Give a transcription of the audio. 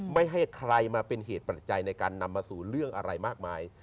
ไม่ให้ใครมาเป็นเหตุปัจจัยในการนำมาสู่เรื่องอะไรมากมาย